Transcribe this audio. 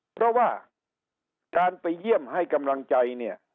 เพราะว่าการไปเยี่ยมให้กำลังใจเนี่ย